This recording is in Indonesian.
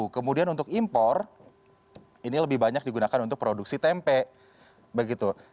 kemudian untuk impor ini lebih banyak digunakan untuk produksi tempe begitu